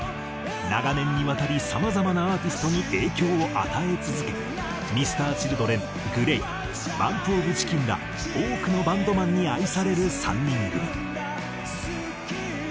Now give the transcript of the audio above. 長年にわたりさまざまなアーティストに影響を与え続けＭｒ．ＣｈｉｌｄｒｅｎＧＬＡＹＢＵＭＰＯＦＣＨＩＣＫＥＮら多くのバンドマンに愛される３人組。